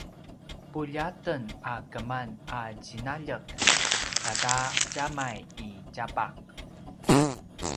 puljaten a keman a tjinaljek ata djamai i tjapaq